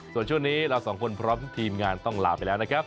ส่วนช่วงนี้เราสองคนพร้อมทุกทีมงานต้องลาไปแล้วนะครับ